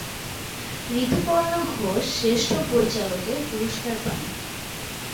ঋতুপর্ণ ঘোষ শ্রেষ্ঠ পরিচালকের পুরস্কার পান।